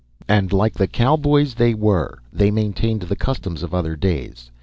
And like the cowboys they were, they maintained the customs of other days.